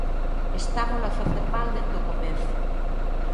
Estámolo a facer mal dende o comezo.